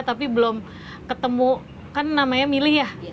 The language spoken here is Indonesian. tapi belum ketemu kan namanya milih ya